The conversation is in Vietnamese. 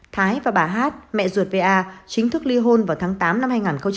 thái và bà hát mẹ ruột pa chính thức ly hôn vào tháng tám năm hai nghìn hai mươi